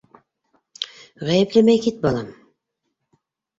Ғәйепләмәй кит, балам.